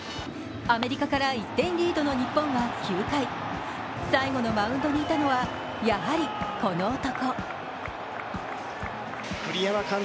アメリカから１点リードの日本は９回最後のマウンドにいたのは、やはりこの男。